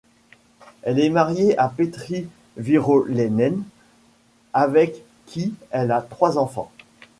Elle est mariée à Petri Virolainen avec qui elle a trois enfants.